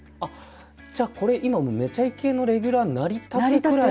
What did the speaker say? じゃこれ今「めちゃイケ」のレギュラーになりたてぐらいの？